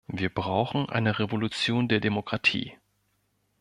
Wir brauchen eine Revolution der Demokratie!